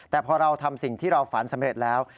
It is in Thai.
แต่พอเราทำสิ่งที่เราฝันสำเร็จแล้ว